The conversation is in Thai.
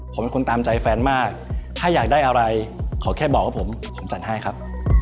ผมเป็นคนตามใจแฟนมากถ้าอยากได้อะไรขอแค่บอกว่าผมผมจัดให้ครับ